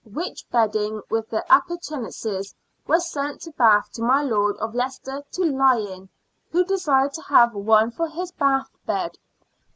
which bedding with the appurtenances was sent to Bath to my Lord of Leicester to lye in, who desired to have one for his Bath bed.